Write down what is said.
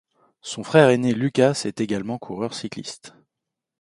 Son frère aîné Lukas est également coureur cycliste.